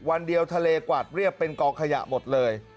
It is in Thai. วันเดียวทะเลกวาดเรียบเป็นกองขยะหมดเลย